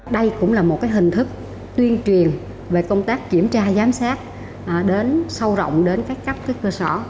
đây cũng là một hình thức tuyên truyền về công tác kiểm tra giám sát đến sâu rộng đến các cấp các cơ sở